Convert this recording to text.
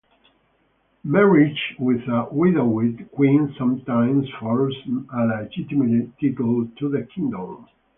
Marriage with a widowed queen sometimes forms a legitimate title to the kingdom.